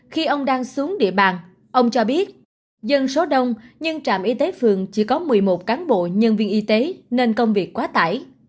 khi ông đang xuống địa bàn ông cho biết dân số đông nhưng trạm y tế phường chỉ có một mươi một cán bộ nhân viên y tế nên công việc quá tải